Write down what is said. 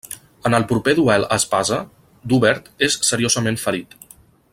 En el proper duel a espasa, d'Hubert és seriosament ferit.